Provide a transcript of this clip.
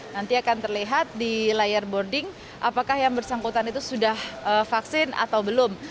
nanti akan terlihat di layar boarding apakah yang bersangkutan itu sudah vaksin atau belum